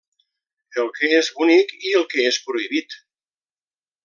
El que és bonic i el que és prohibit.